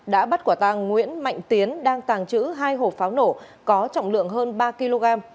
đã bắt quả tàng nguyễn mạnh tiến đang tàng trữ hai hộp pháo nổ có trọng lượng hơn ba kg